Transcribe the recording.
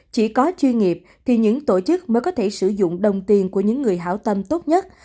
chỉ có chuyên nghiệp thì những tổ chức mới có thể sử dụng đồng tiền của những người hảo tâm tốt nhất